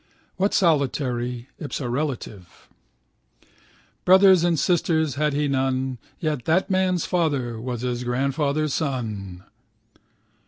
Why solitary (ipsorelative)? Brothers and sisters had he none. Yet that man's father was his grandfather's son.